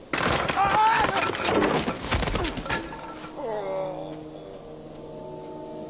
ああ。